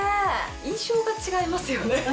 印象が違いますよね。